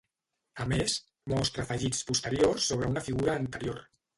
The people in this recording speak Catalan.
A més, mostra afegits posteriors sobre una figura anterior.